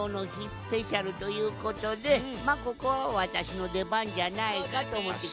スペシャルということでまあここはわたしのでばんじゃないかとおもってきちゃいました！